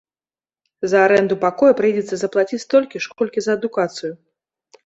За арэнду пакоя прыйдзецца заплаціць столькі ж, колькі за адукацыю.